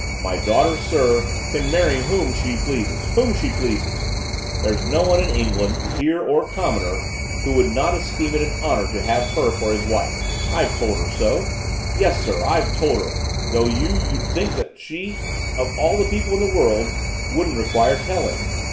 My daughter, sir, can marry whom she pleases, whom she pleases! There's no one in England, peer or commoner, who would not esteem it an honour to have her for his wife I've told her so, yes, sir, I've told her, though you you'd think that she, of all people in the world, wouldn't require telling.